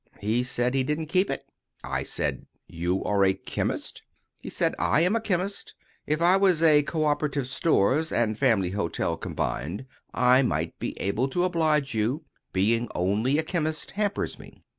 He said he didn't keep it. I said: "You are a chemist?" He said: "I am a chemist. If I was a co operative stores and family hotel combined, I might be able to oblige you. Being only a chemist hampers me."